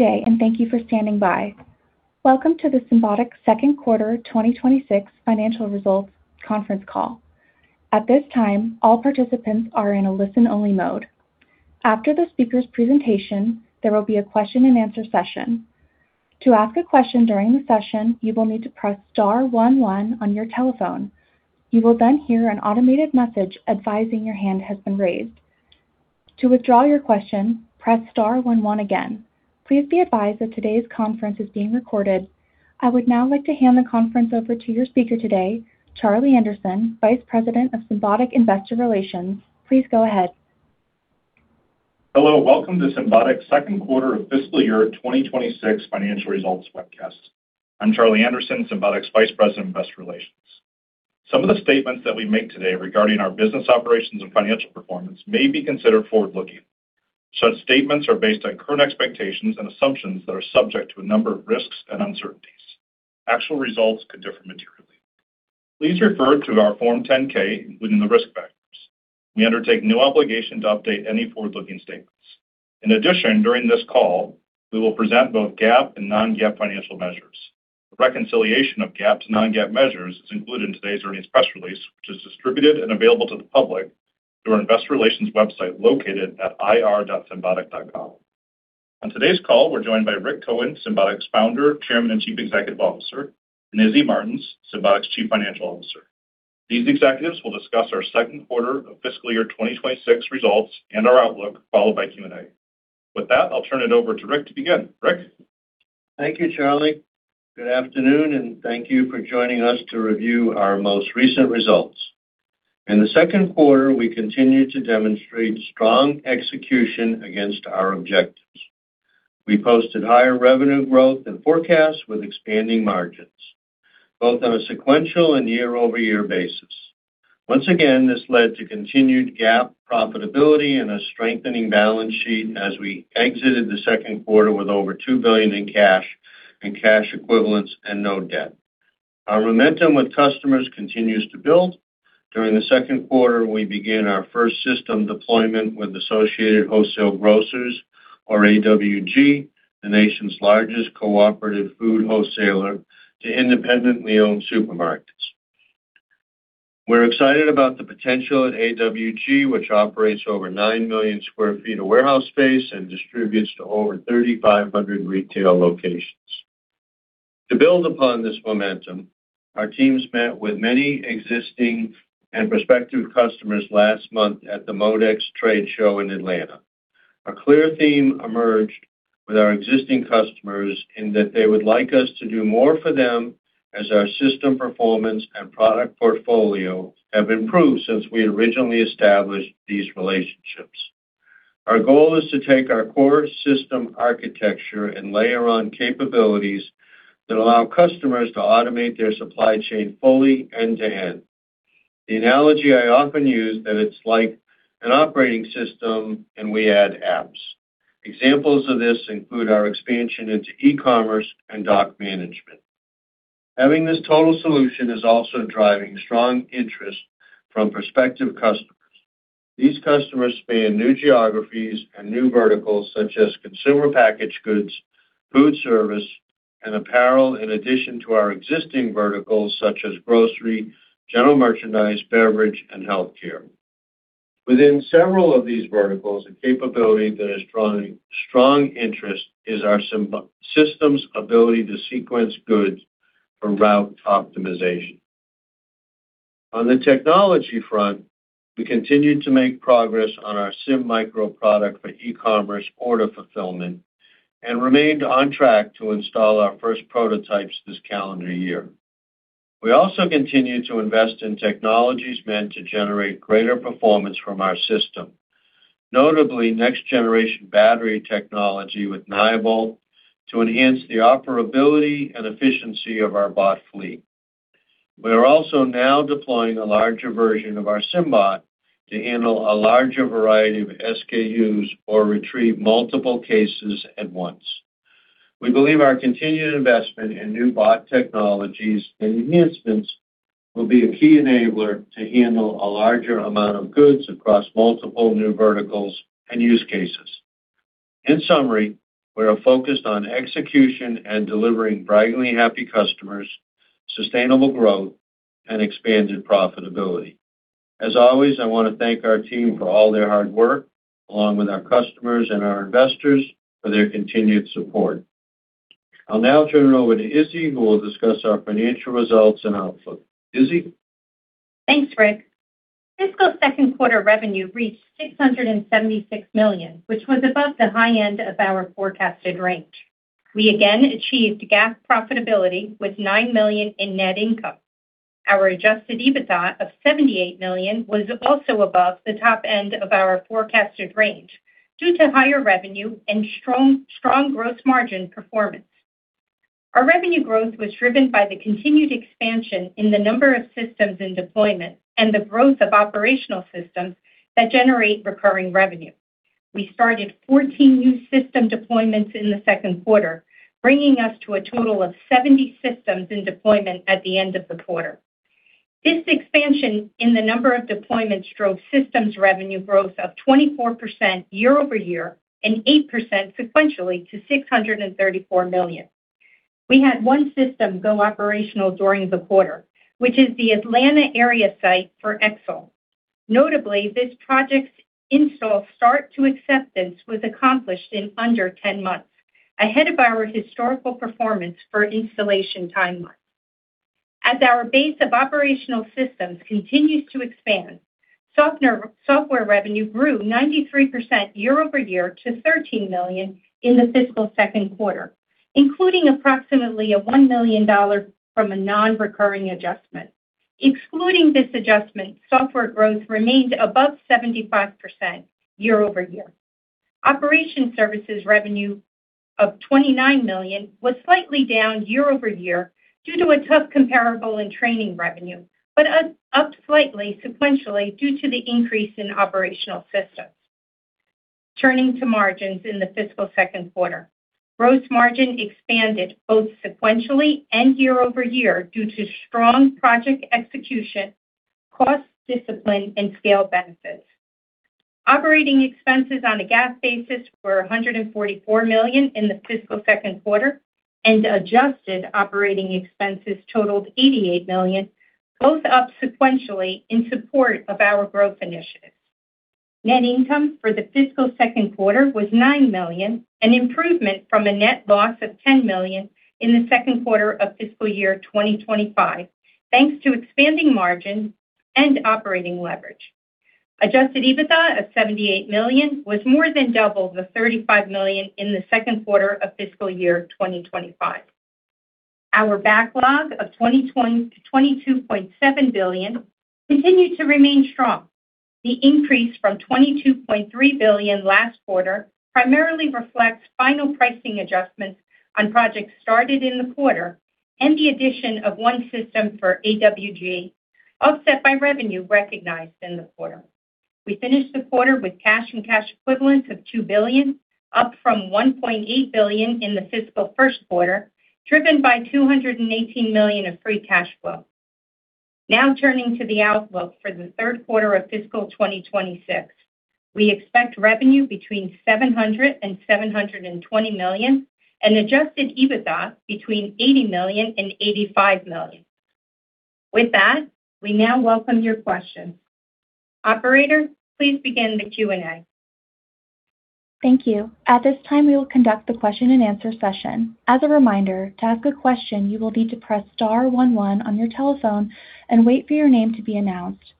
Good day, and thank you for standing by. Welcome to the Symbotic Second Quarter 2026 Financial Results Conference Call. At this time, all participants are in a listen-only mode. After the speaker's presentation, there will be a question-and-answer session. To ask a question during the session, you will need to press star one one on your telephone. You will then hear an automated message advising your hand has been raised. To withdraw your question, press star one one again. Please be advised that today's conference is being recorded. I would now like to hand the conference over to your speaker today, Charlie Anderson, Vice President of Symbotic Investor Relations. Please go ahead. Hello. Welcome to Symbotic's second quarter of fiscal year 2026 financial results webcast. I'm Charlie Anderson, Symbotic's Vice President of Investor Relations. Some of the statements that we make today regarding our business operations and financial performance may be considered forward-looking. Such statements are based on current expectations and assumptions that are subject to a number of risks and uncertainties. Actual results could differ materially. Please refer to our Form 10-K within the risk factors. We undertake no obligation to update any forward-looking statements. During this call, we will present both GAAP and non-GAAP financial measures. The reconciliation of GAAP to non-GAAP measures is included in today's earnings press release, which is distributed and available to the public through our investor relations website located at ir.symbotic.com. On today's call, we're joined by Rick Cohen, Symbotic's Founder, Chairman, and Chief Executive Officer, and Izzy Martins, Symbotic's Chief Financial Officer. These executives will discuss our second quarter of fiscal year 2026 results and our outlook, followed by Q&A. With that, I'll turn it over to Rick to begin. Rick? Thank you, Charlie. Good afternoon, thank you for joining us to review our most recent results. In the second quarter, we continued to demonstrate strong execution against our objectives. We posted higher revenue growth and forecast with expanding margins, both on a sequential and year-over-year basis. Once again, this led to continued GAAP profitability and a strengthening balance sheet as we exited the second quarter with over $2 billion in cash and cash equivalents and no debt. Our momentum with customers continues to build. During the second quarter, we began our first system deployment with Associated Wholesale Grocers or AWG, the nation's largest cooperative food wholesaler to independently owned supermarkets. We're excited about the potential at AWG, which operates over 9 million sq ft of warehouse space and distributes to over 3,500 retail locations. To build upon this momentum, our teams met with many existing and prospective customers last month at the MODEX trade show in Atlanta. A clear theme emerged with our existing customers in that they would like us to do more for them as our system performance and product portfolio have improved since we originally established these relationships. Our goal is to take our core system architecture and layer on capabilities that allow customers to automate their supply chain fully end-to-end. The analogy I often use that it's like an operating system, and we add apps. Examples of this include our expansion into e-commerce and dock management. Having this total solution is also driving strong interest from prospective customers. These customers span new geographies and new verticals such as consumer packaged goods, food service, and apparel, in addition to our existing verticals such as grocery, general merchandise, beverage, and healthcare. Within several of these verticals, a capability that is drawing strong interest is our Sym-system's ability to sequence goods for route optimization. On the technology front, we continued to make progress on our SymMicro product for e-commerce order fulfillment and remained on track to install our first prototypes this calendar year. We also continue to invest in technologies meant to generate greater performance from our system, notably next-generation battery technology with Nyobolt to enhance the operability and efficiency of our bot fleet. We are also now deploying a larger version of our SymBot to handle a larger variety of SKUs or retrieve multiple cases at once. We believe our continued investment in new bot technologies and enhancements will be a key enabler to handle a larger amount of goods across multiple new verticals and use cases. In summary, we are focused on execution and delivering braggingly happy customers, sustainable growth, and expanded profitability. As always, I wanna thank our team for all their hard work, along with our customers and our investors for their continued support. I'll now turn it over to Izzy, who will discuss our financial results and outlook. Izzy? Thanks, Rick. Fiscal second quarter revenue reached $676 million, which was above the high end of our forecasted range. We again achieved GAAP profitability with $9 million in net income. Our Adjusted EBITDA of $78 million was also above the top end of our forecasted range due to higher revenue and strong gross margin performance. Our revenue growth was driven by the continued expansion in the number of systems in deployment and the growth of operational systems that generate recurring revenue. We started 14 new system deployments in the second quarter, bringing us to a total of 70 systems in deployment at the end of the quarter. This expansion in the number of deployments drove systems revenue growth of 24% year-over-year and 8% sequentially to $634 million. We had 1 system go operational during the quarter, which is the Atlanta area site for Exal. Notably, this project's install start to acceptance was accomplished in under 10 months, ahead of our historical performance for installation timelines. As our base of operational systems continues to expand, software revenue grew 93% year-over-year to $13 million in the fiscal second quarter, including approximately a $1 million from a non-recurring adjustment. Excluding this adjustment, software growth remained above 75% year-over-year. Operation services revenue of $29 million was slightly down year-over-year due to a tough comparable in training revenue, but up slightly sequentially due to the increase in operational systems. Turning to margins in the fiscal second quarter. Gross margin expanded both sequentially and year-over-year due to strong project execution, cost discipline, and scale benefits. Operating expenses on a GAAP basis were $144 million in the fiscal second quarter. Adjusted operating expenses totaled $88 million, both up sequentially in support of our growth initiatives. Net income for the fiscal second quarter was $9 million, an improvement from a net loss of $10 million in the second quarter of fiscal year 2025, thanks to expanding margin and operating leverage. Adjusted EBITDA of $78 million was more than double the $35 million in the second quarter of fiscal year 2025. Our backlog of $22.7 billion continued to remain strong. The increase from $22.3 billion last quarter primarily reflects final pricing adjustments on projects started in the quarter and the addition of one system for AWG, offset by revenue recognized in the quarter. We finished the quarter with cash and cash equivalents of $2 billion, up from $1.8 billion in the fiscal first quarter, driven by $218 million of free cash flow. Turning to the outlook for the third quarter of fiscal 2026. We expect revenue between $700 million and $720 million and Adjusted EBITDA between $80 million and $85 million. With that, we now welcome your questions. Operator, please begin the Q&A. Thank you. At this time, we will conduct the question and answer session. As a reminder, to ask a question, you will need to press star one one on your telephone and wait for your name to be announced.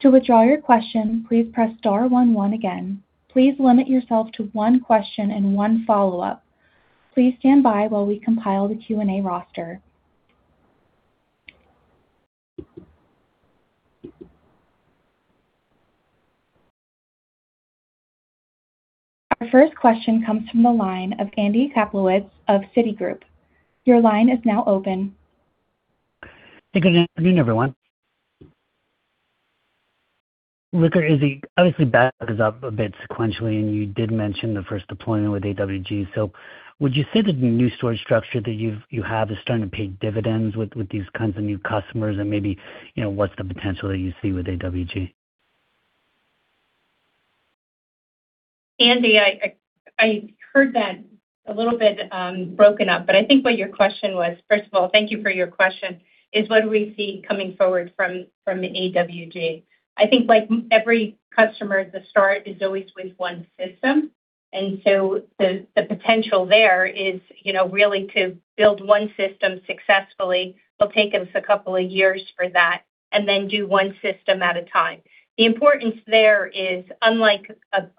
To withdraw your question, please press star one one again. Please limit yourself to one question and one follow-up. Please stand by while we compile the Q&A roster. Our first question comes from the line of Andy Kaplowitz of Citigroup. Your line is now open. Hey, good afternoon, everyone. Look, Izzy, obviously backs up a bit sequentially, and you did mention the first deployment with AWG. Would you say the new storage structure that you have is starting to pay dividends with these kinds of new customers? Maybe, you know, what's the potential that you see with AWG? Andy, I heard that a little bit broken up, I think what your question was, first of all, thank you for your question, is what do we see coming forward from AWG. I think like every customer, the start is always with one system. The potential there is, you know, really to build one system successfully. It'll take us a couple of years for that, and then do one system at a time. The importance there is, unlike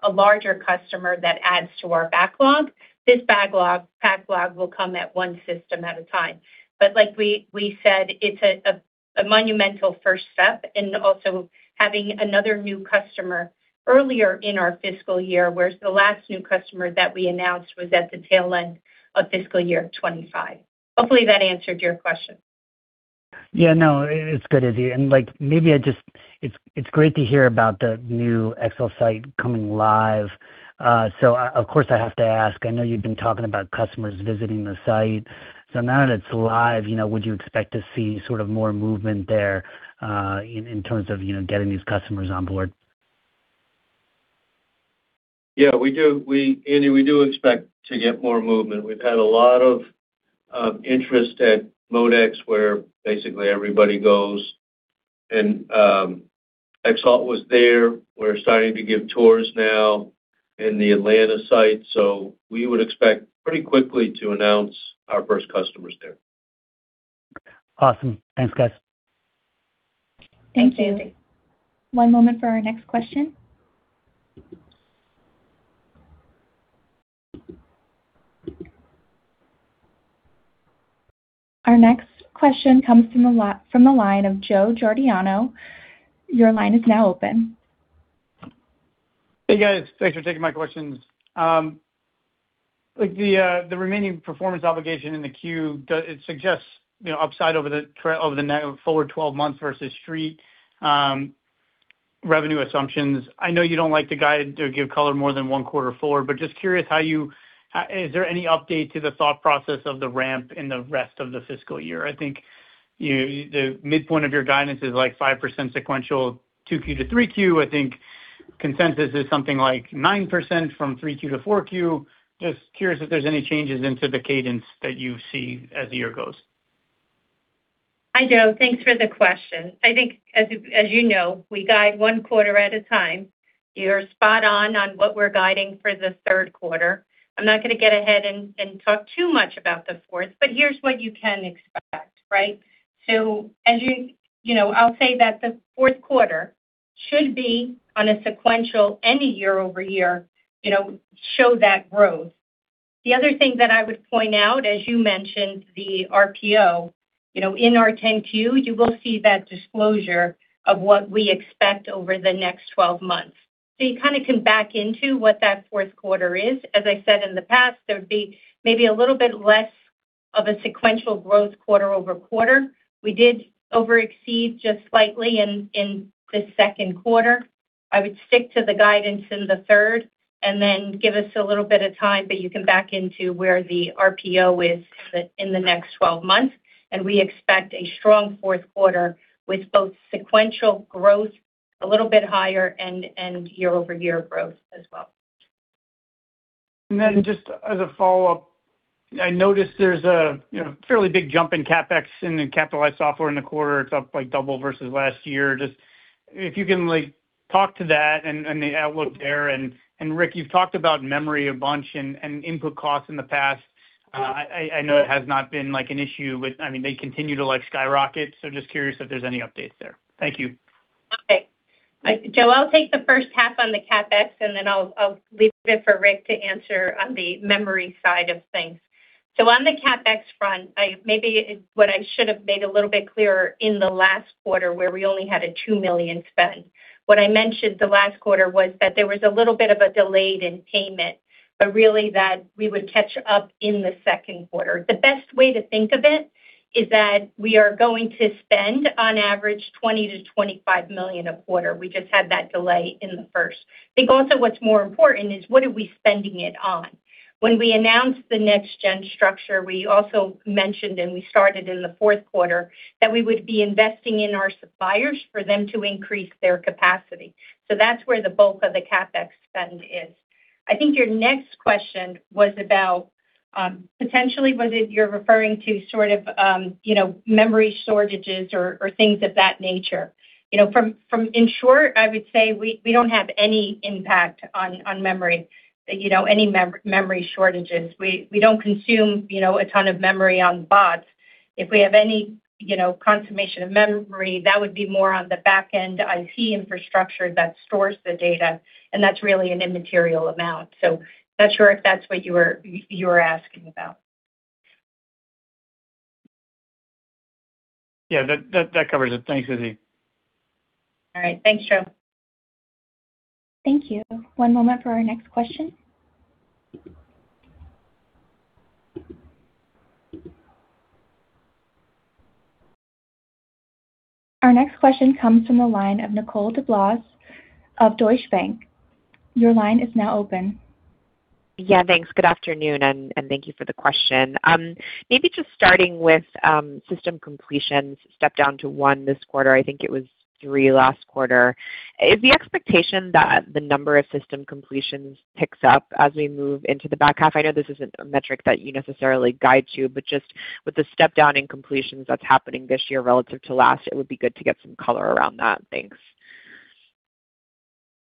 a larger customer that adds to our backlog, this backlog will come at one system at a time. Like we said, it's a monumental first step and also having another new customer earlier in our fiscal year, whereas the last new customer that we announced was at the tail end of fiscal year 2025. Hopefully that answered your question. Yeah, no, it's good, Izzy. It's great to hear about the new Exal site coming live. Of course, I have to ask, I know you've been talking about customers visiting the site. Now that it's live, you know, would you expect to see sort of more movement there, in terms of, you know, getting these customers on board? Yeah, we do. We, Andy, we do expect to get more movement. We've had a lot of interest at MODEX, where basically everybody goes. Exal was there. We're starting to give tours now in the Atlanta site. We would expect pretty quickly to announce our first customers there. Awesome. Thanks, guys. Thanks, Andy. One moment for our next question. Our next question comes from the line of Joe Giordano. Your line is now open. Hey, guys. Thanks for taking my questions. Like the remaining performance obligation in the queue, does it suggest, you know, upside over the forward 12 months versus street? Revenue assumptions. I know you don't like to guide or give color more than one quarter forward, but just curious is there any update to the thought process of the ramp in the rest of the fiscal year? I think the midpoint of your guidance is, like, 5% sequential 2Q to 3Q. I think consensus is something like 9% from 3Q to 4Q. Just curious if there's any changes into the cadence that you see as the year goes. Hi, Joe. Thanks for the question. I think as you know, we guide 1 quarter at a time. You're spot on what we're guiding for the 3rd quarter. I'm not gonna get ahead and talk too much about the 4th, but here's what you can expect, right? As you know, I'll say that the 4th quarter should be on a sequential any year-over-year, you know, show that growth. The other thing that I would point out, as you mentioned, the RPO, you know, in our Form 10-Q, you will see that disclosure of what we expect over the next 12 months. You kinda can back into what that 4th quarter is. As I said in the past, there'd be maybe a little bit less of a sequential growth quarter-over-quarter. We did over-exceed just slightly in the 2nd quarter. I would stick to the guidance in the third and then give us a little bit of time, but you can back into where the RPO is in the next 12 months. We expect a strong fourth quarter with both sequential growth a little bit higher end and year-over-year growth as well. Just as a follow-up, I noticed there's a, you know, fairly big jump in CapEx in the capitalized software in the quarter. It's up, like, double versus last year. Just if you can, like, talk to that and the outlook there. Rick, you've talked about memory a bunch and input costs in the past. I know it has not been, like, an issue with I mean, they continue to, like, skyrocket, so just curious if there's any updates there. Thank you. Okay. Joe, I'll take the first half on the CapEx, and then I'll leave it for Rick to answer on the memory side of things. On the CapEx front, what I should have made a little bit clearer in the last quarter where we only had a $2 million spend. What I mentioned the last quarter was that there was a little bit of a delay in payment, but really that we would catch up in the second quarter. The best way to think of it is that we are going to spend on average $20 million-$25 million a quarter. We just had that delay in the first. I think also what's more important is what are we spending it on. We announced the next-generation storage structure, we also mentioned, and we started in the fourth quarter, that we would be investing in our suppliers for them to increase their capacity. That's where the bulk of the CapEx spend is. I think your next question was about, you know, memory shortages or things of that nature. You know, in short, I would say we don't have any impact on memory, you know, any memory shortages. We don't consume, you know, a ton of memory on bots. If we have any, you know, consumption of memory, that would be more on the back end IT infrastructure that stores the data, and that's really an immaterial amount. Not sure if that's what you were asking about. Yeah, that covers it. Thanks, Izzy. All right. Thanks, Joe. Thank you. One moment for our next question. Our next question comes from the line of Nicole DeBlase of Deutsche Bank. Your line is now open. Yeah, thanks. Good afternoon, and thank you for the question. Maybe just starting with system completions stepped down to 1 this quarter. I think it was 3 last quarter. Is the expectation that the number of system completions picks up as we move into the back half? I know this isn't a metric that you necessarily guide to, but just with the step down in completions that's happening this year relative to last, it would be good to get some color around that. Thanks.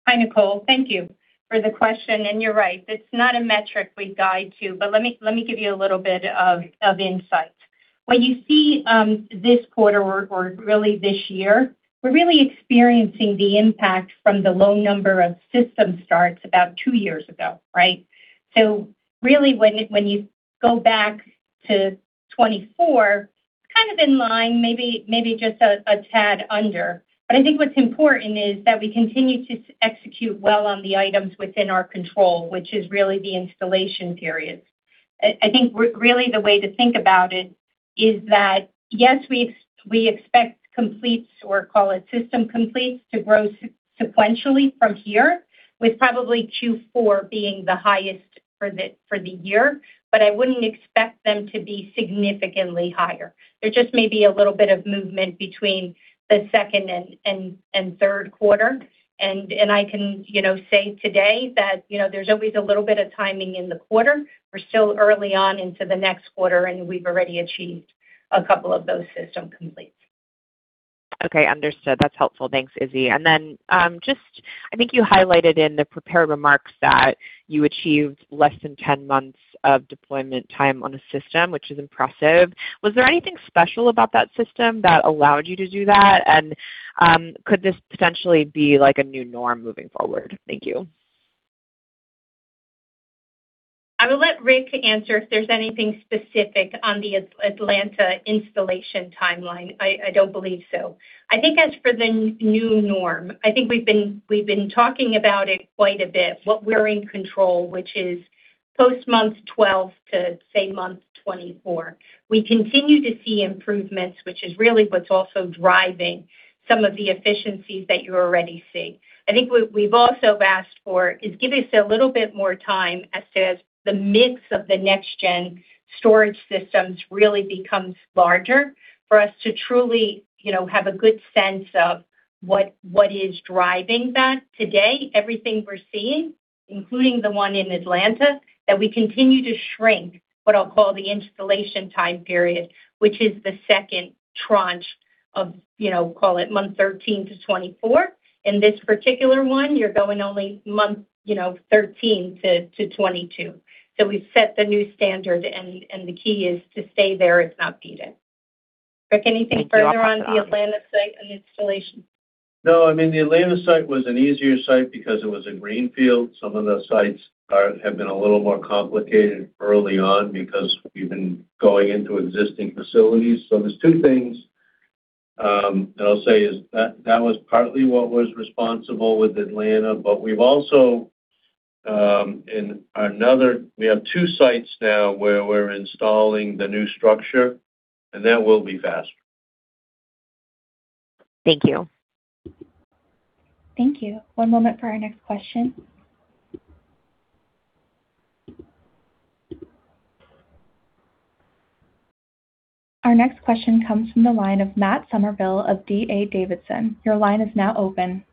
Hi, Nicole. Thank you for the question, and you're right. It's not a metric we guide to, let me give you a little bit of insight. What you see this quarter or really this year, we're experiencing the impact from the low number of system starts about 2 years ago, right? Really when you go back to 2024, it's kind of in line, maybe just a tad under. I think what's important is that we continue to execute well on the items within our control, which is really the installation periods. I think really the way to think about it is that, yes, we expect completes or call it system completes to grow sequentially from here, with probably Q4 being the highest for the year, but I wouldn't expect them to be significantly higher. There just may be a little bit of movement between the second and third quarter. I can, you know, say today that, you know, there's always a little bit of timing in the quarter. We're still early on into the next quarter, and we've already achieved a couple of those system completes. Okay, understood. That's helpful. Thanks, Izzy. Just I think you highlighted in the prepared remarks that you achieved less than 10 months of deployment time on a system, which is impressive. Was there anything special about that system that allowed you to do that? Could this potentially be like a new norm moving forward? Thank you. I will let Rick answer if there's anything specific on the Atlanta installation timeline. I don't believe so. I think as for the new norm, I think we've been talking about it quite a bit. What we're in control, which is post month 12 to, say, month 24. We continue to see improvements, which is really what's also driving some of the efficiencies that you already see. I think what we've also asked for is give us a little bit more time as to as the mix of the next gen storage systems really becomes larger for us to truly, you know, have a good sense of. What is driving that today, everything we're seeing, including the one in Atlanta, that we continue to shrink what I'll call the installation time period, which is the second tranche of, you know, call it month 13-24. In this particular one, you're going only month, you know, 13 to 22. We've set the new standard and the key is to stay there if not beat it. Rick, anything further on the Atlanta site and installation? I mean, the Atlanta site was an easier site because it was a greenfield. Some of the sites have been a little more complicated early on because we've been going into existing facilities. There's 2 things that I'll say is that was partly what was responsible with Atlanta. We've also, we have 2 sites now where we're installing the new structure, and that will be faster. Thank you. Thank you. One moment for our next question. Our next question comes from the line of Matt Summerville of D.A. Davidson. Your line is now open. Thanks.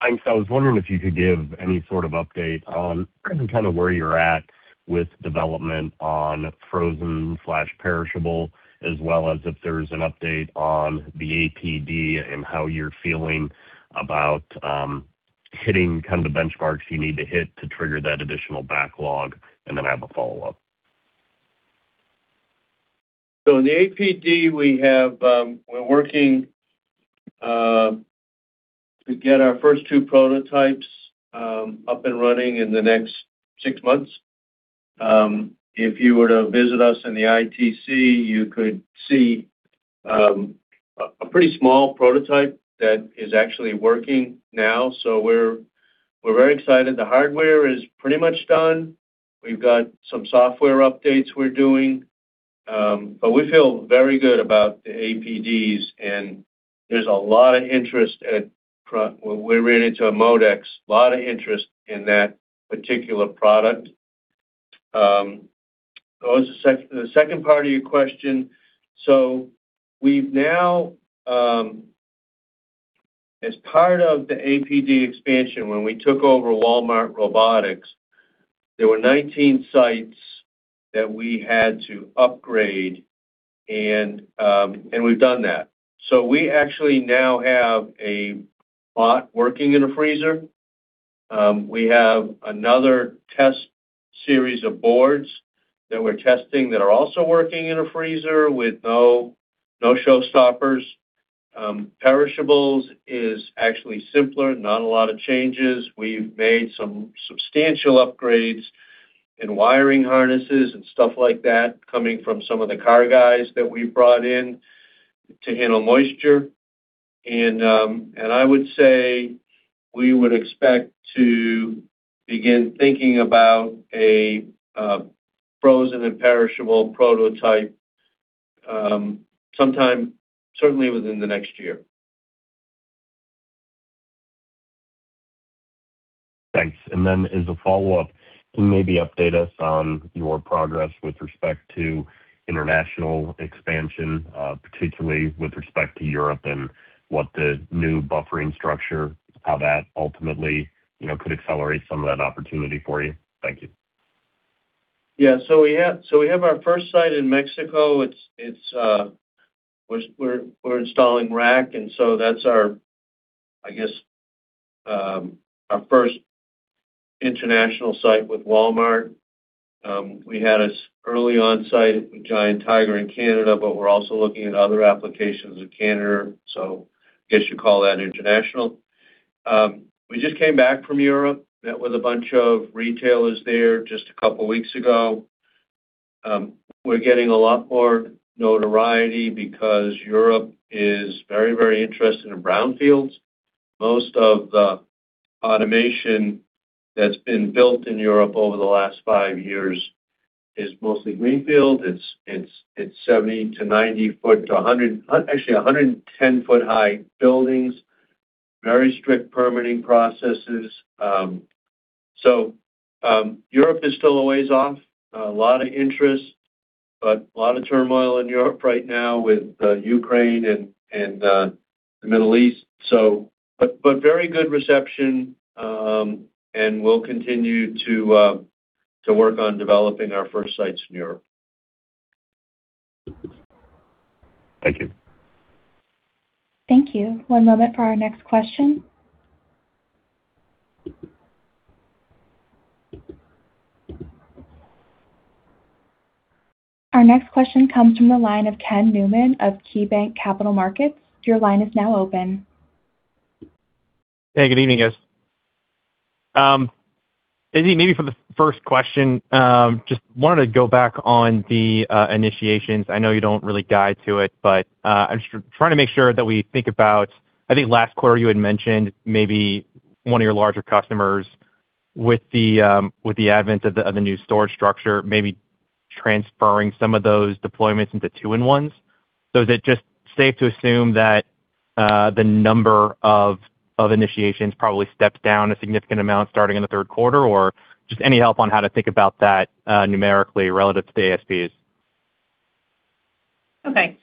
I was wondering if you could give any sort of update on kind of where you're at with development on frozen/perishable, as well as if there's an update on the APD and how you're feeling about hitting kind of the benchmarks you need to hit to trigger that additional backlog. I have a follow-up. In the APD, we have, we're working to get our first 2 prototypes up and running in the next 6 months. If you were to visit us in the ITC, you could see a pretty small prototype that is actually working now. We're very excited. The hardware is pretty much done. We've got some software updates we're doing. But we feel very good about the APDs, and there's a lot of interest when we ran into MODEX, a lot of interest in that particular product. What was the second part of your question? We've now, as part of the APD expansion, when we took over Walmart Robotics, there were 19 sites that we had to upgrade, and we've done that. We actually now have a bot working in a freezer. We have another test series of boards that we're testing that are also working in a freezer with no showstoppers. Perishables is actually simpler, not a lot of changes. We've made some substantial upgrades in wiring harnesses and stuff like that coming from some of the car guys that we brought in to handle moisture. I would say we would expect to begin thinking about a frozen and perishable prototype sometime certainly within the next year. Thanks. As a follow-up, can you maybe update us on your progress with respect to international expansion, particularly with respect to Europe and what the new buffering structure, how that ultimately, you know, could accelerate some of that opportunity for you? Thank you. We have our first site in Mexico. We're installing rack, that's our, I guess, our first international site with Walmart. We had an early on site with Giant Tiger in Canada, but we're also looking at other applications in Canada. I guess you'd call that international. We just came back from Europe, met with a bunch of retailers there just a couple weeks ago. We're getting a lot more notoriety because Europe is very interested in brownfields. Most of the automation that's been built in Europe over the last five years is mostly greenfield. It's 70 to 90 foot to 100, actually 110 foot high buildings, very strict permitting processes. Europe is still a ways off. A lot of interest, but a lot of turmoil in Europe right now with Ukraine and the Middle East. Very good reception, and we'll continue to work on developing our first sites in Europe. Thank you. Thank you. One moment for our next question. Our next question comes from the line of Ken Newman of KeyBanc Capital Markets. Your line is now open. Hey, good evening, guys. Izzy, maybe for the first question, just wanted to go back on the initiations. I know you don't really guide to it, but, I'm just trying to make sure that we think about, I think last quarter you had mentioned maybe one of your larger customers with the advent of the next-generation storage structure, maybe transferring some of those deployments into 2-in-1s. Is it just safe to assume that the number of initiations probably steps down a significant amount starting in the 3rd quarter, or just any help on how to think about that numerically relative to the ASPs? Okay.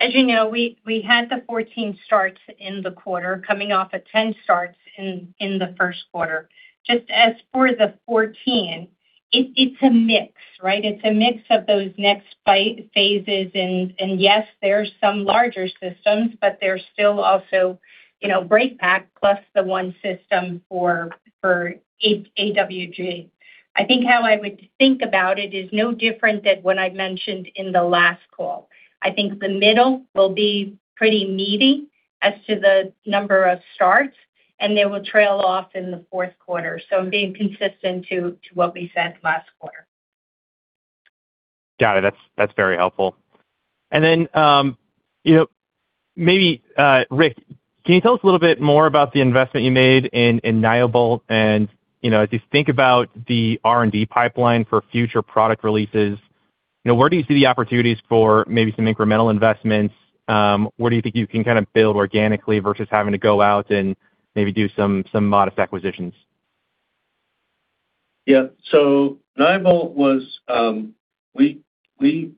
As you know, we had the 14 starts in the quarter, coming off of 10 starts in the first quarter. Just as for the 14, it's a mix, right? It's a mix of those next phases. Yes, there's still also, you know, breakPak plus the one system for AWG. I think how I would think about it is no different than what I mentioned in the last call. I think the middle will be pretty meaty as to the number of starts, and they will trail off in the fourth quarter. I'm being consistent to what we said last quarter. Got it. That's very helpful. You know, maybe, Rick, can you tell us a little bit more about the investment you made in Nyobolt? You know, as you think about the R&D pipeline for future product releases, you know, where do you see the opportunities for maybe some incremental investments? Where do you think you can kind of build organically versus having to go out and maybe do some modest acquisitions? Yeah. Nyobolt was. We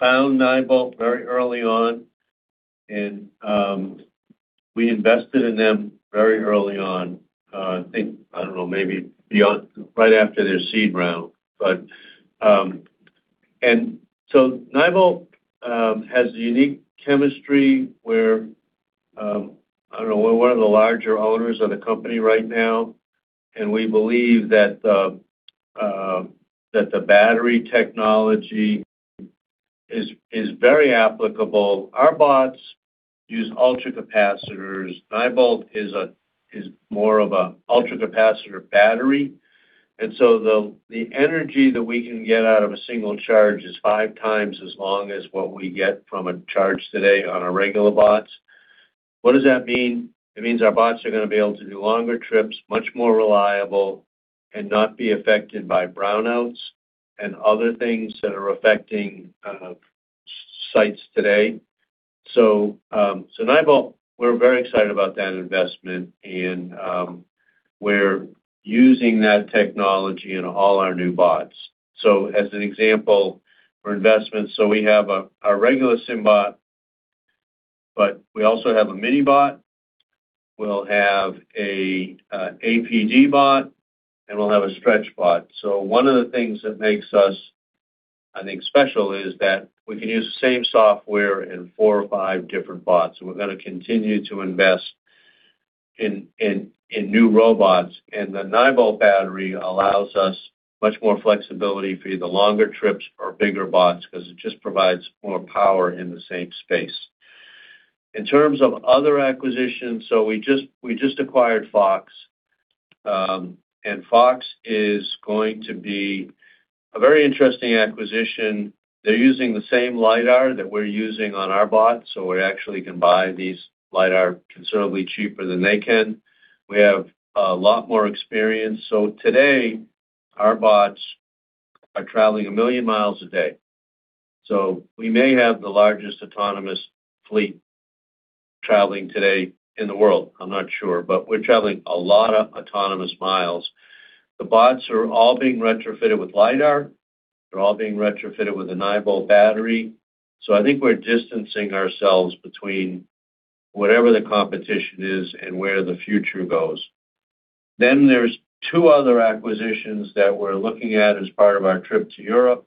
found Nyobolt very early on, and we invested in them very early on. I think, I don't know, right after their seed round. Nyobolt has a unique chemistry where, I don't know, we're one of the larger owners of the company right now, and we believe that the battery technology is very applicable. Our bots use ultracapacitors. Nyobolt is a more of a ultracapacitor battery. The energy that we can get out of a single charge is five times as long as what we get from a charge today on our regular bots. What does that mean? It means our bots are gonna be able to do longer trips, much more reliable, and not be affected by brownouts and other things that are affecting sites today. Nyobolt, we're very excited about that investment, and we're using that technology in all our new bots. As an example for investments, we have a regular SymBot, but we also have a mini bot. We'll have an APD bot, and we'll have a stretch bot. One of the things that makes us, I think, special is that we can use the same software in 4 or 5 different bots, and we're gonna continue to invest in new robots. And the Nyobolt battery allows us much more flexibility for either longer trips or bigger bots 'cause it just provides more power in the same space. In terms of other acquisitions, we just acquired Fox. Fox is going to be a very interesting acquisition. They're using the same lidar that we're using on our bots, we actually can buy these lidar considerably cheaper than they can. We have a lot more experience. Today, our bots are traveling 1 million miles a day. We may have the largest autonomous fleet traveling today in the world. I'm not sure, we're traveling a lot of autonomous miles. The bots are all being retrofitted with lidar. They're all being retrofitted with a Nyobolt battery. I think we're distancing ourselves between whatever the competition is and where the future goes. There's 2 other acquisitions that we're looking at as part of our trip to Europe.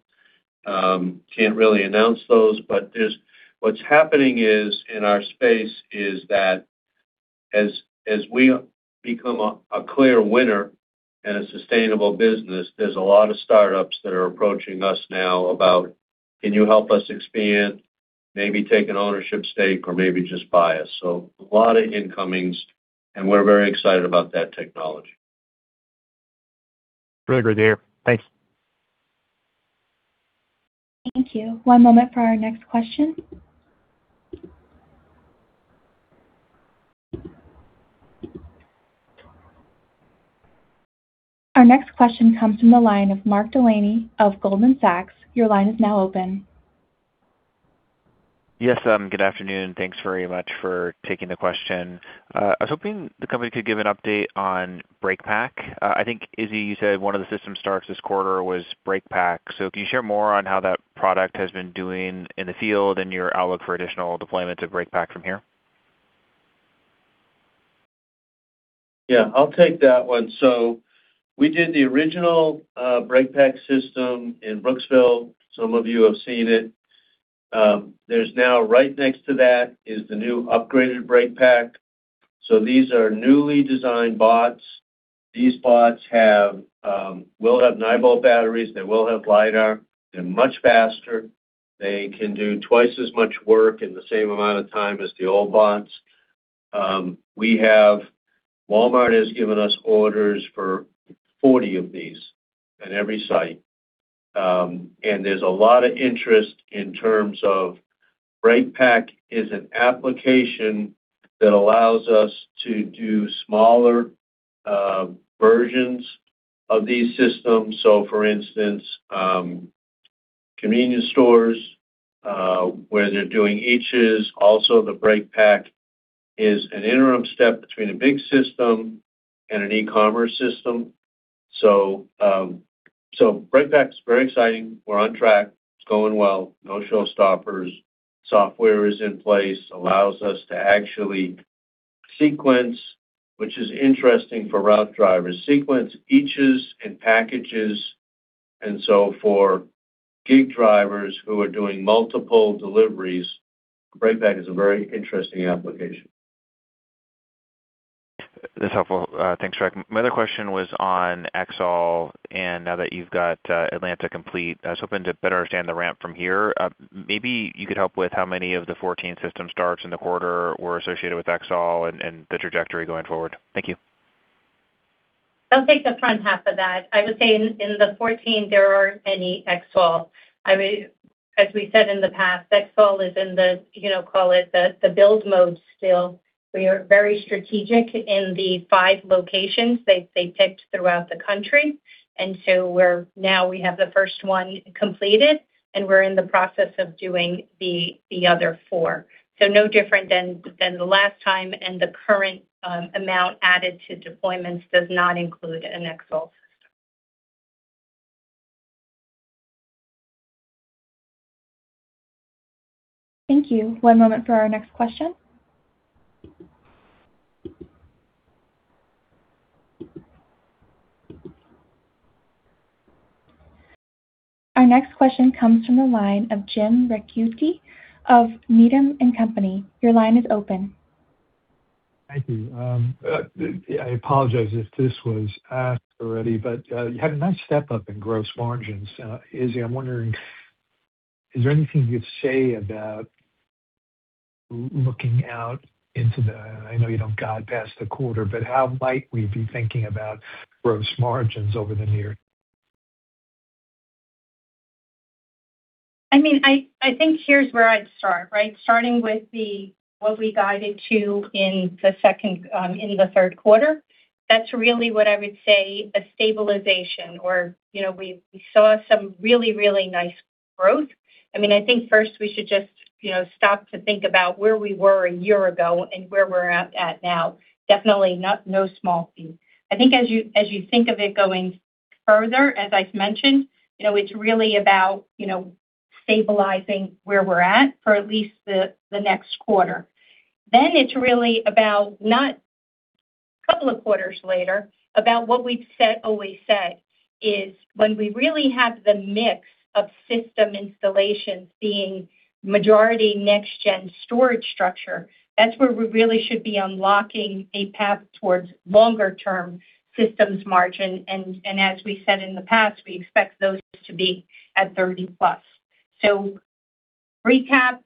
Can't really announce those, what's happening is, in our space, is that as we become a clear winner and a sustainable business, there's a lot of startups that are approaching us now about, "Can you help us expand, maybe take an ownership stake, or maybe just buy us?" A lot of incomings, and we're very excited about that technology. Very good to hear. Thanks. Thank you. One moment for our next question. Our next question comes from the line of Mark Delaney of Goldman Sachs. Your line is now open. Yes, good afternoon. Thanks very much for taking the question. I was hoping the company could give an update on BreakPak. I think, Izzy, you said one of the system starts this quarter was BreakPak. Can you share more on how that product has been doing in the field and your outlook for additional deployment to BreakPak from here? Yeah, I'll take that one. We did the original BreakPak system in Brooksville. Some of you have seen it. There's now, right next to that is the new upgraded BreakPak. These are newly designed bots. These bots have will have Nyobolt batteries. They will have lidar. They're much faster. They can do twice as much work in the same amount of time as the old bots. Walmart has given us orders for 40 of these at every site. There's a lot of interest in terms of BreakPak is an application that allows us to do smaller versions of these systems. For instance, Convenience stores, where they're doing eaches. Also, the BreakPak is an interim step between a big system and an e-commerce system. BreakPak is very exciting. We're on track. It's going well. No showstoppers. Software is in place, allows us to actually sequence, which is interesting for route drivers. Sequence ieaches and packages. For gig drivers who are doing multiple deliveries, BreakPak is a very interesting application. That's helpful. Thanks, Rick. My other question was on Exotec, and now that you've got Atlanta complete, I was hoping to better understand the ramp from here. Maybe you could help with how many of the 14 system starts in the quarter were associated with Exotec and the trajectory going forward. Thank you. I'll take the front half of that. I would say in the 14 there aren't any Exotec. I mean, as we said in the past, Exotec is in the, you know, call it the build mode still. We are very strategic in the 5 locations they picked throughout the country. Now we have the first one completed, and we're in the process of doing the other 4. No different than the last time, and the current amount added to deployments does not include an Exotec system. Thank you. One moment for our next question. Our next question comes from the line of James Ricchiuti of Needham & Company. Your line is open. Thank you. I apologize if this was asked already, but you had a nice step-up in gross margins. Izzy, I'm wondering, is there anything you'd say about looking out into the I know you don't guide past the quarter, but how might we be thinking about gross margins over the near term? I mean, I think here's where I'd start, right? Starting with what we guided to in the third quarter. That's really what I would say a stabilization or, you know, we saw some really nice growth. I mean, I think first we should just, you know, stop to think about where we were a year ago and where we're at now. Definitely not no small feat. I think as you think of it going further, as I've mentioned, you know, it's really about, you know, stabilizing where we're at for at least the next quarter. It's really about not a couple of quarters later, about what we've said, always said, is when we really have the mix of system installations being majority next-generation storage structure, that's where we really should be unlocking a path towards longer-term systems margin. As we said in the past, we expect those to be at 30-plus. Recap,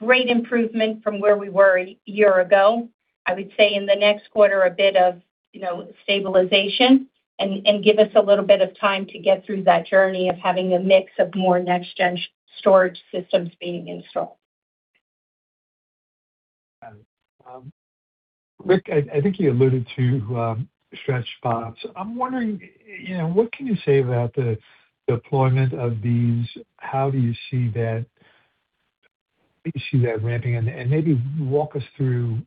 great improvement from where we were a year ago. I would say in the next quarter, a bit of, you know, stabilization and give us a little bit of time to get through that journey of having a mix of more next-generation storage systems being installed. Got it. Rick, I think you alluded to stretch bots. I'm wondering, you know, what can you say about the deployment of these? Do you see that ramping? Maybe walk us through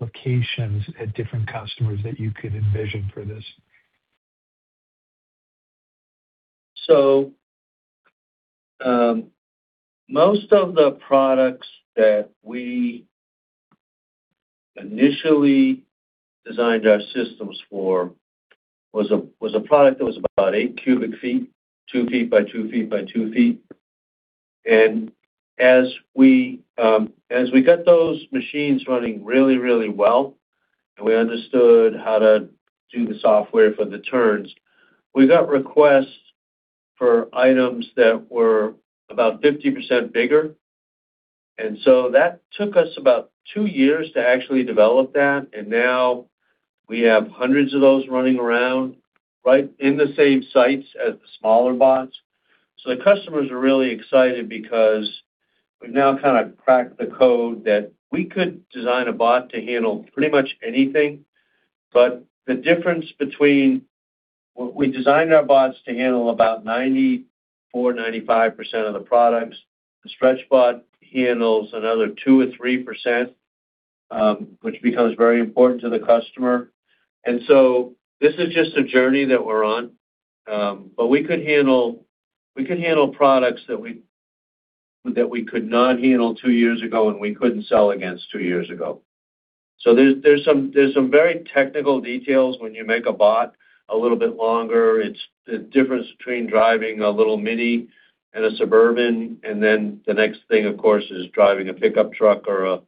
locations at different customers that you could envision for this. Most of the products that we initially designed our systems for was a, was a product that was about 8 cubic feet, 2 feet by 2 feet by 2 feet. As we got those machines running really, really well, and we understood how to do the software for the turns, we got requests for items that were about 50% bigger. That took us about 2 years to actually develop that. Now we have hundreds of those running around, right, in the same sites as the smaller bots. The customers are really excited because we've now kind of cracked the code that we could design a bot to handle pretty much anything. The difference between what we designed our bots to handle about 94%, 95% of the products. The stretch bot handles another 2% or 3%, which becomes very important to the customer. This is just a journey that we're on. But we could handle, we could handle products that we, that we could not handle 2 years ago and we couldn't sell against 2 years ago. There's some very technical details when you make a bot a little bit longer. It's the difference between driving a little mini and a Suburban. The next thing, of course, is driving a pickup truck or a,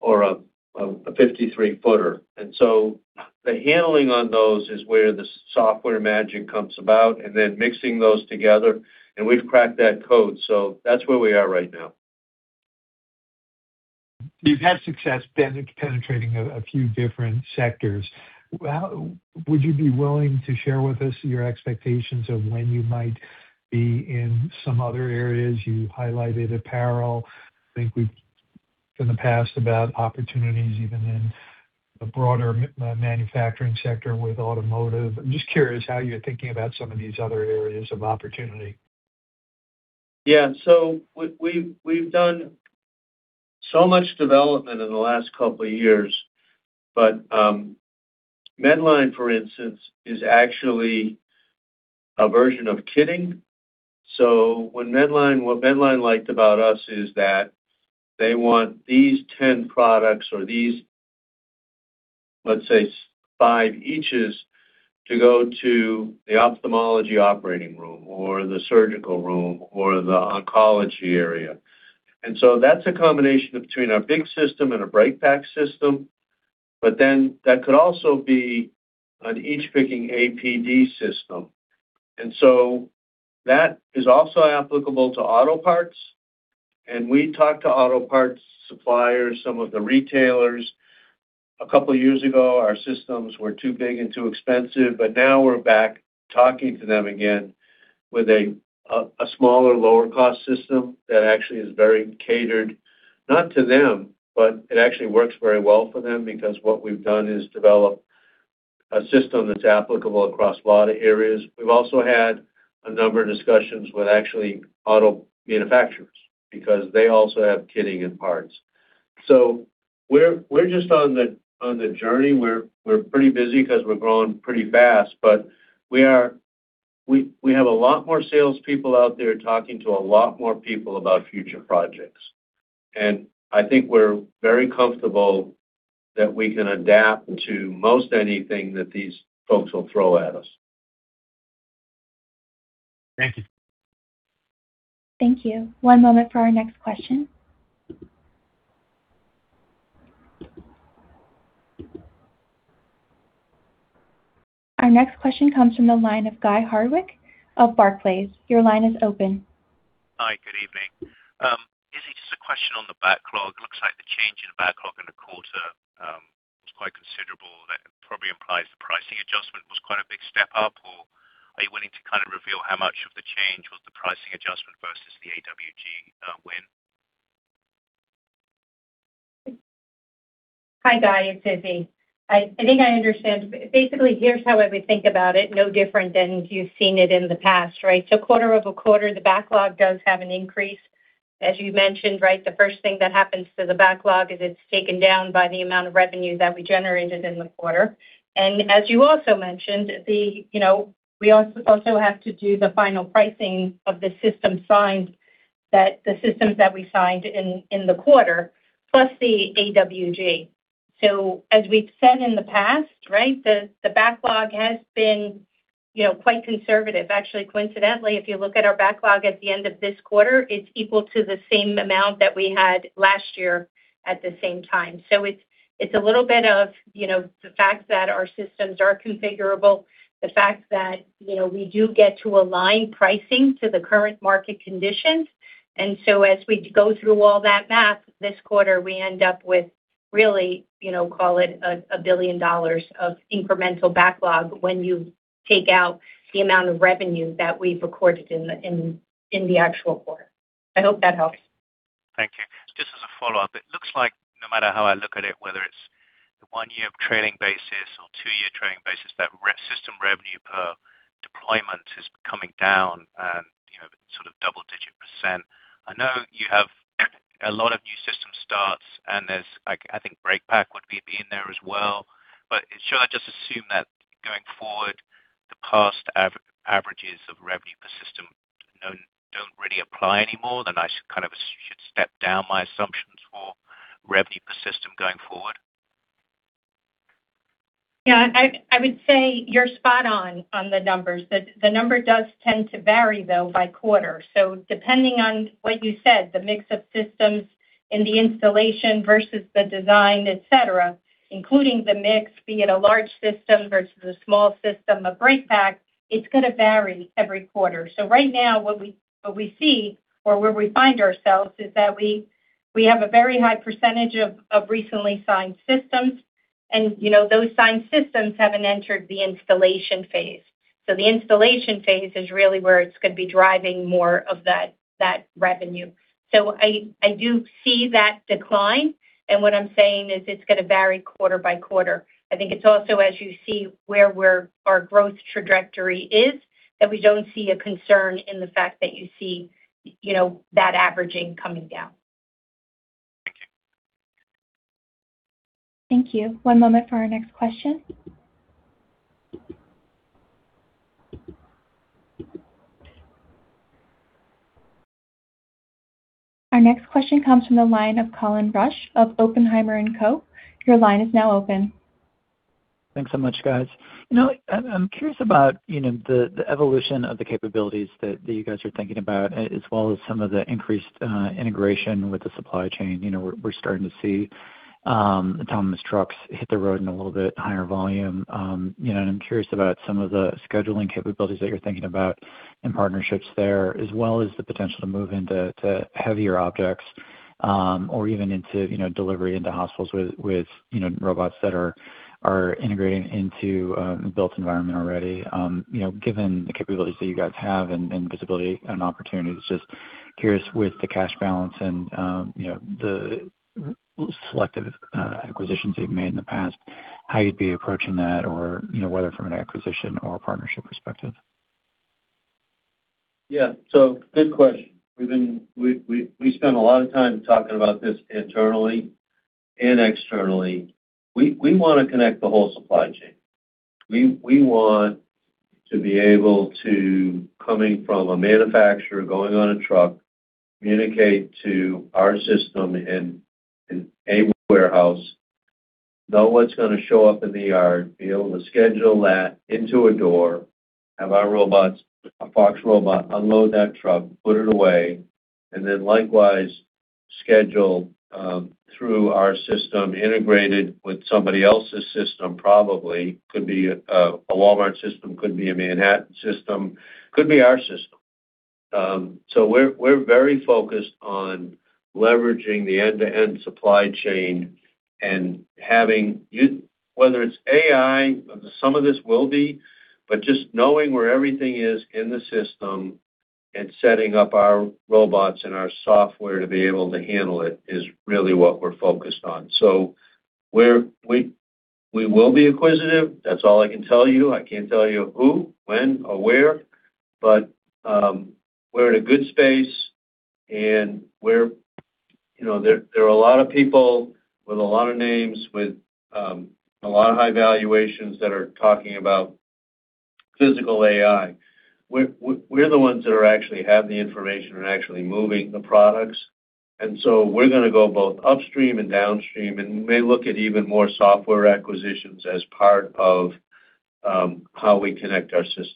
or a 53-footer. The handling on those is where the software magic comes about, and then mixing those together, and we've cracked that code. That's where we are right now. You've had success penetrating a few different sectors. Would you be willing to share with us your expectations of when you might be in some other areas? You highlighted apparel. In the past about opportunities even in the broader manufacturing sector with automotive. I'm just curious how you're thinking about some of these other areas of opportunity. Yeah. We've done so much development in the last couple of years, but Medline, for instance, is actually a version of kitting. What Medline liked about us is that they want these 10 products or these, let's say, 5 ieaches to go to the ophthalmology operating room or the surgical room or the oncology area. That's a combination between our big system and a BreakPak system. That could also be an each picking APD system. That is also applicable to auto parts. We talked to auto parts suppliers, some of the retailers. A couple years ago, our systems were too big and too expensive, now we're back talking to them again with a smaller, lower cost system that actually is very catered, not to them, but it actually works very well for them because what we've done is develop a system that's applicable across a lot of areas. We've also had a number of discussions with actually auto manufacturers because they also have kitting in parts. We're just on the journey. We're pretty busy 'cause we're growing pretty fast. We have a lot more salespeople out there talking to a lot more people about future projects. I think we're very comfortable that we can adapt to most anything that these folks will throw at us. Thank you. Thank you. One moment for our next question. Our next question comes from the line of Guy Hardwick of Barclays. Your line is open. Hi, good evening. Izzy, just a question on the backlog. It looks like the change in the backlog in the quarter was quite considerable. That probably implies the pricing adjustment was quite a big step up, or are you willing to kind of reveal how much of the change was the pricing adjustment versus the AWG win? Hi, Guy. It's Izzy. I think I understand. Basically, here's how we think about it, no different than you've seen it in the past, right? Quarter-over-quarter, the backlog does have an increase, as you mentioned, right? The first thing that happens to the backlog is it's taken down by the amount of revenue that we generated in the quarter. As you also mentioned, the, you know, we also have to do the final pricing of the systems that we signed in the quarter, plus the AWG. As we've said in the past, right, the backlog has been, you know, quite conservative. Actually, coincidentally, if you look at our backlog at the end of this quarter, it's equal to the same amount that we had last year at the same time. It's a little bit of, you know, the fact that our systems are configurable, the fact that, you know, we do get to align pricing to the current market conditions. As we go through all that math this quarter, we end up with really, you know, call it a, $1 billion of incremental backlog when you take out the amount of revenue that we've recorded in the actual quarter. I hope that helps. Thank you. Just as a follow-up, it looks like no matter how I look at it, whether it's the one-year trailing basis or two-year trailing basis, that system revenue per deployment is coming down and, you know, sort of double-digit %. I know you have a lot of new system starts, and there's, like, I think BreakPak would be in there as well. Should I just assume that going forward, the past averages of revenue per system, you know, don't really apply anymore, then I kind of should step down my assumptions for revenue per system going forward? I would say you're spot on on the numbers. The number does tend to vary, though, by quarter. Depending on what you said, the mix of systems and the installation versus the design, et cetera, including the mix, be it a large system versus a small system, a BreakPak, it's gonna vary every quarter. Right now, what we see or where we find ourselves is that we have a very high percentage of recently signed systems. You know, those signed systems haven't entered the installation phase. The installation phase is really where it's gonna be driving more of that revenue. I do see that decline, and what I'm saying is it's gonna vary quarter by quarter. I think it's also, as you see where our growth trajectory is, that we don't see a concern in the fact that you see, you know, that averaging coming down. Thank you. One moment for our next question. Our next question comes from the line of Colin Rusch of Oppenheimer & Co. Your line is now open. Thanks so much, guys. You know, I'm curious about, you know, the evolution of the capabilities that you guys are thinking about, as well as some of the increased integration with the supply chain. You know, we're starting to see autonomous trucks hit the road in a little bit higher volume. You know, I'm curious about some of the scheduling capabilities that you're thinking about and partnerships there, as well as the potential to move into heavier objects. Or even into, you know, delivery into hospitals with, you know, robots that are integrating into a built environment already. You know, given the capabilities that you guys have and visibility and opportunities, just curious with the cash balance and, you know, the selective acquisitions you've made in the past, how you'd be approaching that or, you know, whether from an acquisition or a partnership perspective. Good question. We spend a lot of time talking about this internally and externally. We wanna connect the whole supply chain. We want to be able to, coming from a manufacturer, going on a truck, communicate to our system in any warehouse, know what's gonna show up in the yard, be able to schedule that into a door, have our robots, a Fox robot unload that truck, put it away, and then likewise schedule through our system integrated with somebody else's system probably. Could be a Walmart system, could be a Manhattan system, could be our system. We're very focused on leveraging the end-to-end supply chain and having whether it's AI, some of this will be, but just knowing where everything is in the system and setting up our robots and our software to be able to handle it is really what we're focused on. We will be acquisitive. That's all I can tell you. I can't tell you who, when, or where. We're in a good space, and we're, you know. There are a lot of people with a lot of names, with a lot of high valuations that are talking about physical AI. We're the ones that are actually have the information and actually moving the products. So we're gonna go both upstream and downstream, and we may look at even more software acquisitions as part of how we connect our systems.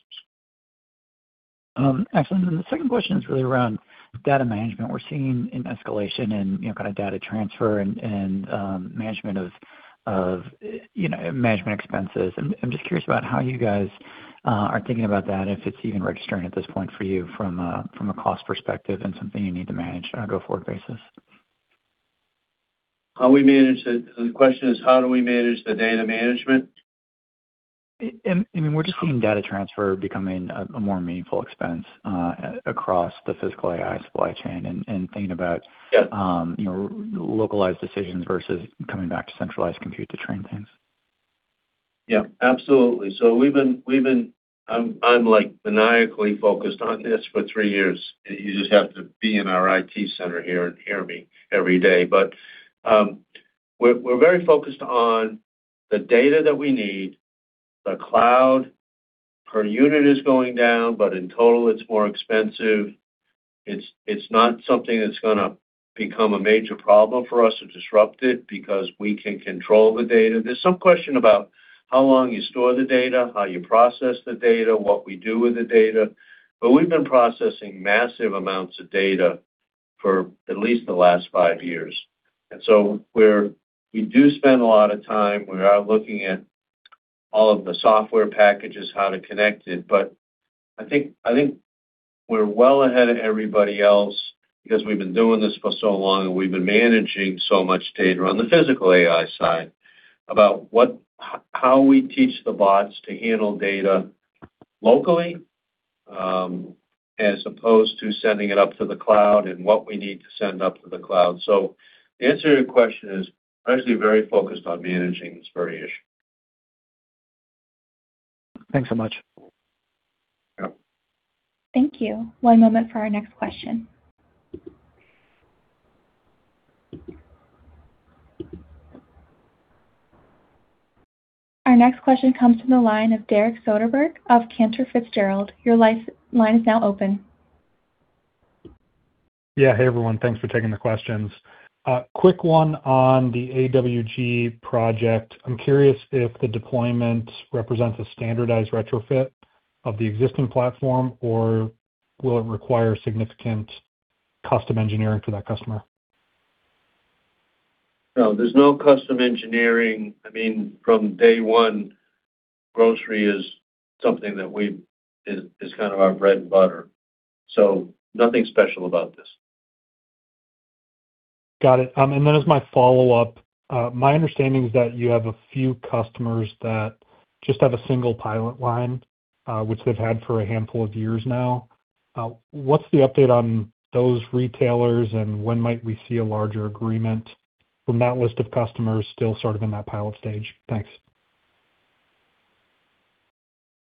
Excellent. The second question is really around data management. We're seeing an escalation in, you know, kinda data transfer and, management of, you know, management expenses. I'm just curious about how you guys are thinking about that, if it's even registering at this point for you from a cost perspective and something you need to manage on a go-forward basis. The question is how do we manage the data management? I mean, we're just seeing data transfer becoming a more meaningful expense across the physical AI supply chain. Yeah you know, localized decisions versus coming back to centralized compute to train things. Yeah, absolutely. We've been I'm, like, maniacally focused on this for 3 years. You just have to be in our IT center here and hear me every day. We're very focused on the data that we need. The cloud per unit is going down, but in total it's more expensive. It's not something that's gonna become a major problem for us or disrupt it because we can control the data. There's some question about how long you store the data, how you process the data, what we do with the data, but we've been processing massive amounts of data for at least the last 5 years. We do spend a lot of time. We are looking at all of the software packages, how to connect it, but I think we're well ahead of everybody else because we've been doing this for so long, and we've been managing so much data on the physical AI side about how we teach the bots to handle data locally, as opposed to sending it up to the cloud and what we need to send up to the cloud. The answer to your question is we're actually very focused on managing this very issue. Thanks so much. Yep. Thank you. One moment for our next question. Our next question comes from the line of Derek Soderberg of Cantor Fitzgerald. Your line is now open. Yeah. Hey, everyone. Thanks for taking the questions. I have a quick one on the AWG project. I'm curious if the deployment represents a standardized retrofit of the existing platform, or will it require significant custom engineering for that customer? No, there's no custom engineering. I mean, from day one, grocery is something that is kind of our bread and butter, so nothing special about this. Got it. As my follow-up, my understanding is that you have a few customers that just have a single pilot line, which they've had for a handful of years now. What's the update on those retailers, and when might we see a larger agreement from that list of customers still sort of in that pilot stage? Thanks.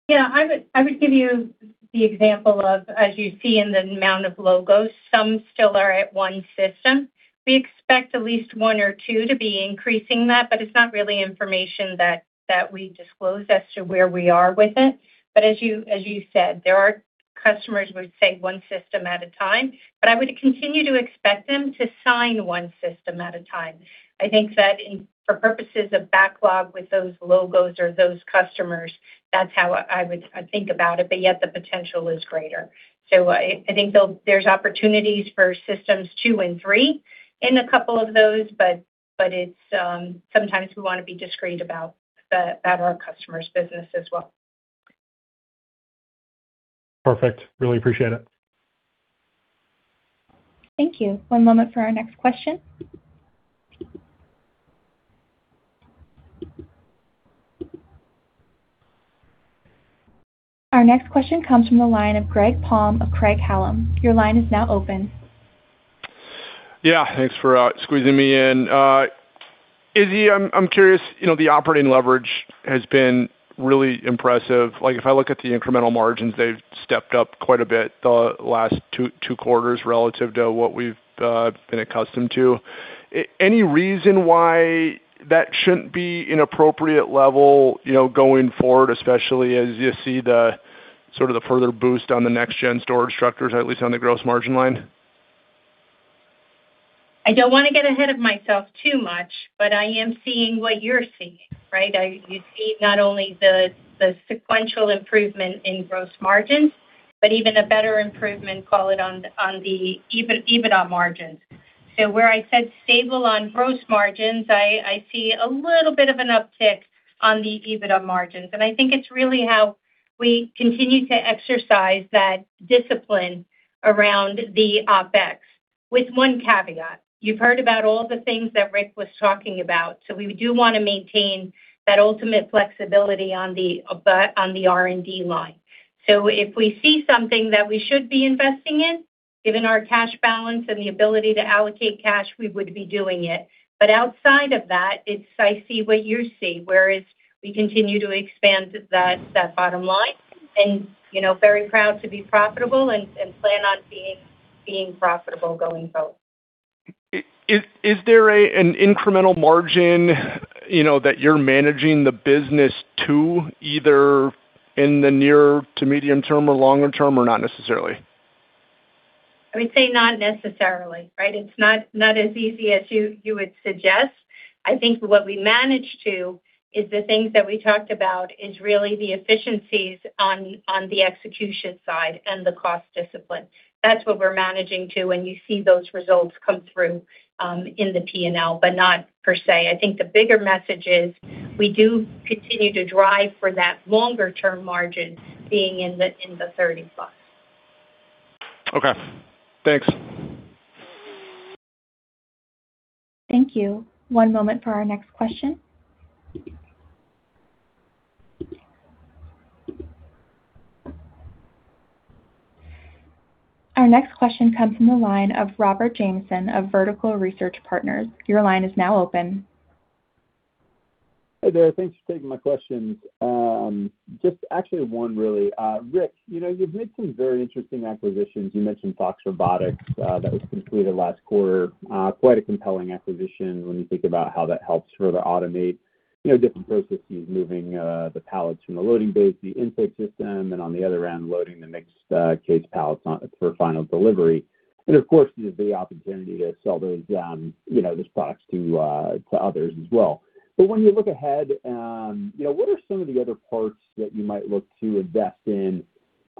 Yeah. I would give you the example of, as you see in the amount of logos, some still are at 1 system. We expect at least 1 or 2 to be increasing that, but it's not really information that we disclose as to where we are with it. But as you said, there are customers who would say 1 system at a time, but I would continue to expect them to sign 1 system at a time. I think that in, for purposes of backlog with those logos or those customers, that's how I think about it, but yet the potential is greater. I think there's opportunities for systems 2 and 3 in a couple of those, but it's sometimes we wanna be discreet about our customers' business as well. Perfect. Really appreciate it. Thank you. One moment for our next question. Our next question comes from the line of Greg Palm of Craig-Hallum. Your line is now open. Yeah, thanks for squeezing me in. Izzy, I'm curious, you know, the operating leverage has been really impressive. Like, if I look at the incremental margins, they've stepped up quite a bit the last two quarters relative to what we've been accustomed to. Any reason why that shouldn't be an appropriate level, you know, going forward, especially as you see the sort of the further boost on the next-generation storage structure, at least on the gross margin line? I don't want to get ahead of myself too much. I am seeing what you're seeing, right? You see not only the sequential improvement in gross margins, but even a better improvement, call it on the EBITDA margins. Where I said stable on gross margins, I see a little bit of an uptick on the EBITDA margins. I think it's really how we continue to exercise that discipline around the OpEx with one caveat. You've heard about all the things that Rick was talking about. We do want to maintain that ultimate flexibility on the R&D line. If we see something that we should be investing in, given our cash balance and the ability to allocate cash, we would be doing it. Outside of that, it is I see what you see, whereas we continue to expand that bottom line and, you know, very proud to be profitable and plan on being profitable going forward. Is there an incremental margin, you know, that you're managing the business to, either in the near to medium term or longer term, or not necessarily? I would say not necessarily, right. It's not as easy as you would suggest. I think what we manage to is the things that we talked about is really the efficiencies on the execution side and the cost discipline. That's what we're managing to, and you see those results come through in the P&L, but not per se. I think the bigger message is we do continue to drive for that longer term margin being in the 30 plus. Okay. Thanks. Thank you. One moment for our next question. Our next question comes from the line of Robert Jamieson of Vertical Research Partners. Your line is now open. Hey there. Thanks for taking my questions. Just actually one, really. Rick, you know, you've made some very interesting acquisitions. You mentioned Fox Robotics, that was completed last quarter. Quite a compelling acquisition when you think about how that helps further automate, you know, different processes, moving the pallets from the loading bay to the intake system, and on the other end, loading the mixed case pallets on for final delivery. Of course, the opportunity to sell those, you know, those products to others as well. When you look ahead, you know, what are some of the other parts that you might look to invest in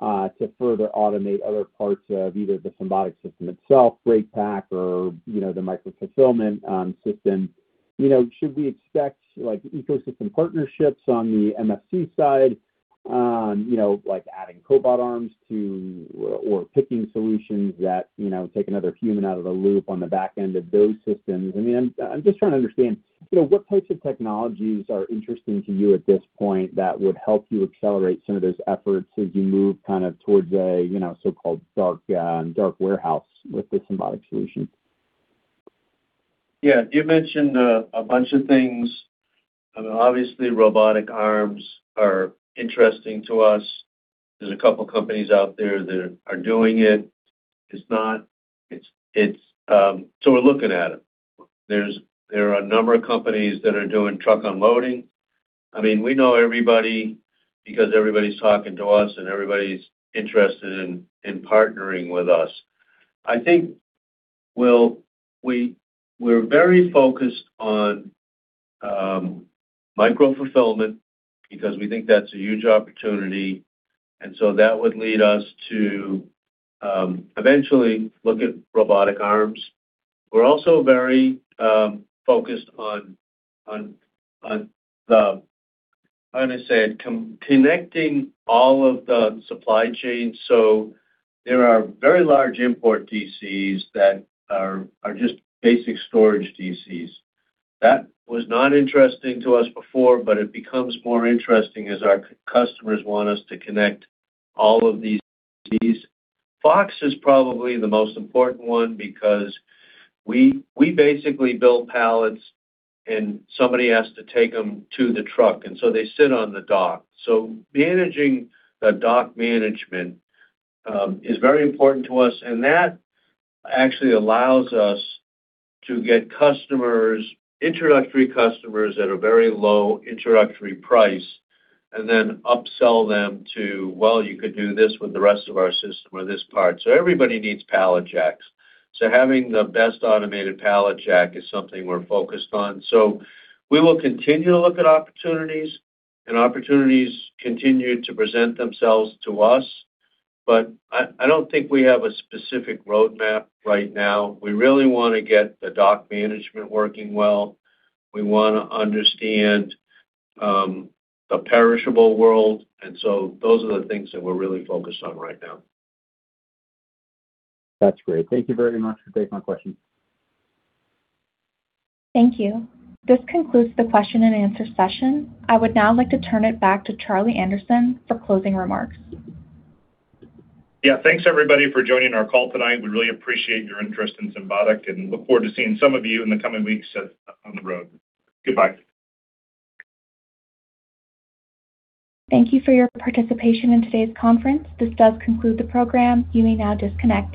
to further automate other parts of either the Symbotic System itself, BreakPak, or, you know, the micro-fulfillment system? You know, should we expect, like, ecosystem partnerships on the MFC side, you know, like adding cobot arms to or picking solutions that, you know, take another human out of the loop on the back end of those systems? I mean, I'm just trying to understand, you know, what types of technologies are interesting to you at this point that would help you accelerate some of those efforts as you move kind of towards a, you know, so-called dark warehouse with the Symbotic solution? Yeah. You mentioned a bunch of things. I mean, obviously robotic arms are interesting to us. There are a couple companies out there that are doing it. We're looking at it. There are a number of companies that are doing truck unloading. I mean, we know everybody because everybody's talking to us and everybody's interested in partnering with us. I think we're very focused on micro fulfillment because we think that's a huge opportunity, that would lead us to eventually look at robotic arms. We're also very focused on connecting all of the supply chains. There are very large import DCs that are just basic storage DCs. That was not interesting to us before, but it becomes more interesting as our customers want us to connect all of these DCs. Fox is probably the most important one because we basically build pallets and somebody has to take them to the truck, and so they sit on the dock. Managing the dock management is very important to us, and that actually allows us to get customers, introductory customers at a very low introductory price and then upsell them to, "Well, you could do this with the rest of our system or this part." Everybody needs pallet jacks, so having the best automated pallet jack is something we're focused on. We will continue to look at opportunities, and opportunities continue to present themselves to us, but I don't think we have a specific roadmap right now. We really wanna get the dock management working well. We wanna understand, the perishable world. Those are the things that we're really focused on right now. That's great. Thank you very much for taking my question. Thank you. This concludes the question and answer session. I would now like to turn it back to Charlie Anderson for closing remarks. Yeah. Thanks everybody for joining our call tonight. We really appreciate your interest in Symbotic and look forward to seeing some of you in the coming weeks on the road. Goodbye. Thank you for your participation in today's conference. This does conclude the program. You may now disconnect.